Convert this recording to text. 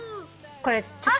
これちょっと。